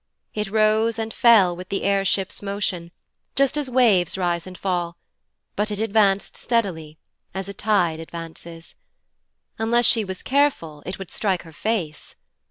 It rose and fell with the air ship's motion, just as waves rise and fall, but it advanced steadily, as a tide advances. Unless she was careful, it would strike her face.